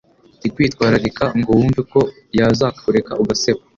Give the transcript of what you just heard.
ikwitwararika ngo wumve ko yazakureka ugaseba